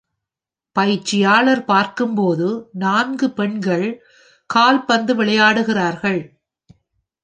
பயிற்சியாளர் பார்க்கும்போது நான்கு பெண்கள் கால்பந்து விளையாடுகிறார்கள்.